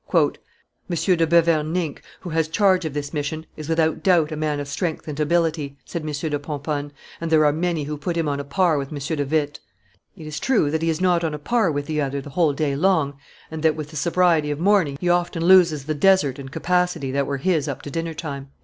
"M. de Beverninck, who has charge of this mission, is without doubt a man of strength and ability," said M. de Pomponne, "and there are many who put him on a par with M. de Witt; it is true that he is not on a par with the other the whole day long, and that with the sobriety of morning he often loses the desert and capacity that were his up to dinner time."